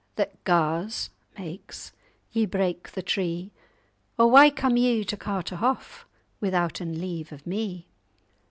What gars (makes) ye break the tree? Or why come ye to Carterhaugh, Withouten leave of me?